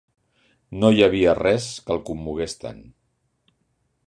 No hi havia res que el commogués tant